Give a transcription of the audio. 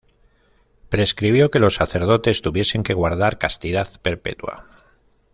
Prescribió que los sacerdotes tuviesen que guardar castidad perpetua.